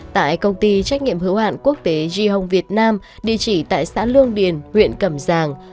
tại công ty trách nghiệm hữu hạn quốc tế ji hong việt nam địa chỉ tại xã lương điền huyện cẩm giàng